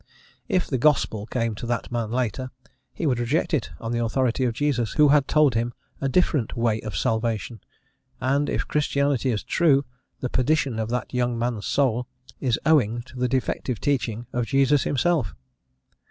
If the "Gospel" came to that man later, he would reject it on the authority of Jesus, who had told him a different "way of salvation;" and if Christianity is true, the perdition of that young man's soul is owing to the defective teaching of Jesus himself.